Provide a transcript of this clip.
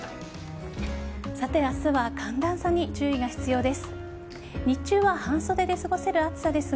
明日は寒暖差に注意が必要です。